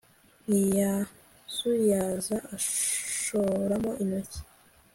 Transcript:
ntiyazuyaza ashoramo intoki